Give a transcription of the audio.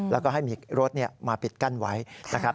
แล้วก็ให้มีรถมาปิดกั้นไว้นะครับ